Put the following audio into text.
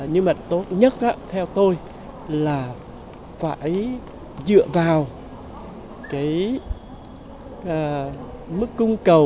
nhưng mà tốt nhất theo tôi là phải dựa vào cái mức cung cầu